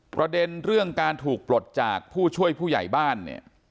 ประเด็นเรื่องการถูกปลดจากผู้ช่วยผู้ใหญ่บ้านเนี่ย